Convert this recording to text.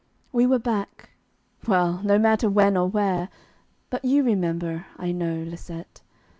We were back well, no matter when or where; But you remember, I know, Lisette.